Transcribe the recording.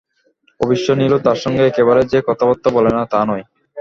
অবশ্যি নীলু তাঁর সঙ্গে একেবারেই যে কথাবার্তা বলে না, তা নয়।